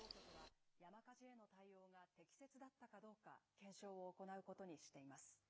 当局は、山火事への対応が適切だったかどうか、検証を行うことにしています。